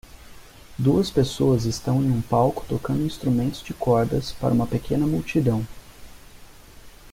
Duas pessoas estão em um palco tocando instrumentos de cordas para uma pequena multidão